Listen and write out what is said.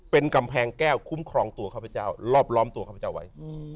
เป็นกำแพงแก้วคุ้มครองตัวข้าพเจ้ารอบล้อมตัวข้าพเจ้าไว้